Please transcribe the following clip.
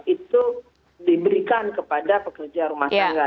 itu diberikan kepada pekerja rumah tangga